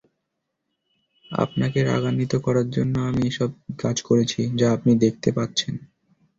আপনাকে রাগান্বিত করার জন্যে আমি এসব কাজ করেছি যা আপনি দেখতে পাচ্ছেন।